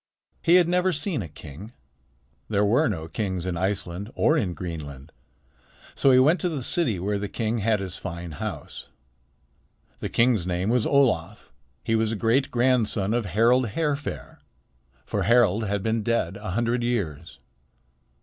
He had never seen a king. There were no kings in Iceland or in Greenland. So he went to the city where the king had his fine house. The king's name was Olaf. He was a great grandson of Harald Hairfair; for Harald had been dead a hundred years.